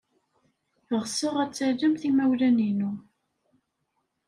Ɣseɣ ad tallemt imawlan-inu.